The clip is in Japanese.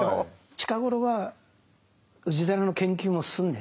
近頃は氏真の研究も進んでね